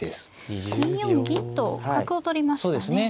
２四銀と角を取りましたね。